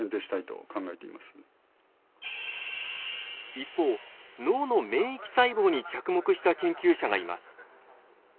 一方脳の免疫細胞に着目した研究者がいます。